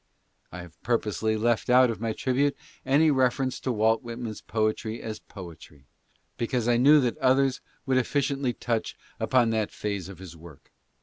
I have purposely left oat of my tribute any reference to Walt :. nan ? s poetry as poetry, because I knew that others would efficiently touch upon tha: phase of his work.